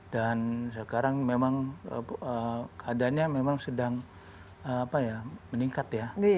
dan sekarang memang keadaannya memang sedang meningkat ya